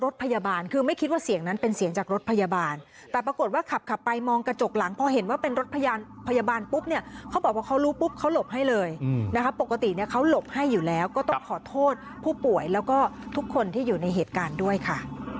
แต่ปรากฏว่าขับไปมองกระจกหลังพอเห็นว่าเป็นรถพยาบาลปุ๊บเนี่ยเขาบอกว่าเขารู้ปุ๊บเขาหลบให้เลยนะครับปกติเนี่ยเขาหลบให้อยู่แล้วก็ต้องขอโทษผู้ป่วยแล้วก็ทุกคนที่อยู่ในเหตุการณ์ด้วยค่ะ